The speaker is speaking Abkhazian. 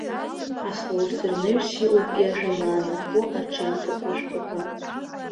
Аха урҭ рнаҩс иҟоуп иажәамаанақәоу арҿиамҭақәа жәпакы.